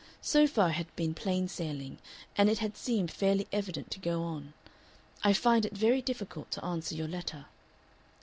So far it had been plain sailing, and it had seemed fairly evident to go on: "I find it very difficult to answer your letter."